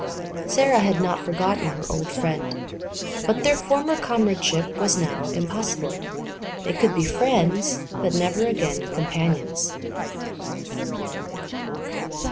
Sara had not forgotten her old friend. But their former comradeship was now impossible; they could be friends, but never again companions.